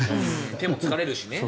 手も疲れるしね。